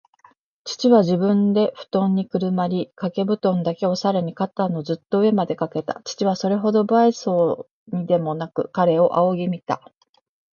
父は自分でふとんにくるまり、かけぶとんだけをさらに肩のずっと上までかけた。父はそれほど無愛想そうにでもなく、彼を仰ぎ見た。